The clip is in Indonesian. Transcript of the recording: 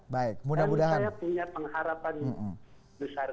dan saya punya pengharapan besar